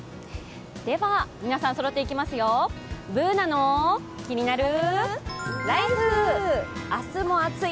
では、皆さんそろっていきますよ、「ＢｏｏｎａのキニナルＬＩＦＥ」明日も暑い！